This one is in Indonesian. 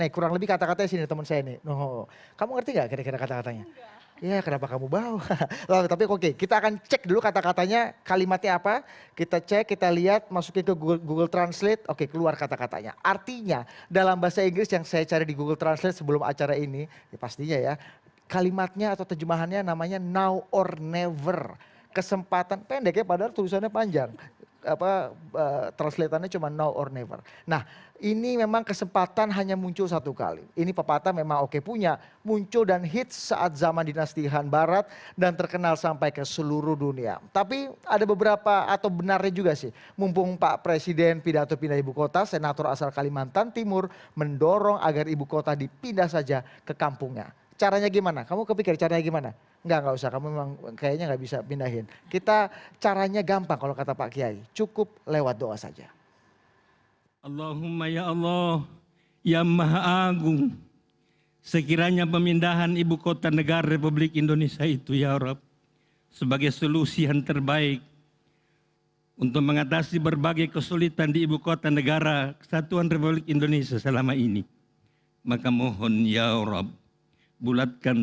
kesulitan di ibukota negara kesatuan republik indonesia selama ini maka mohon ya rob bulatkan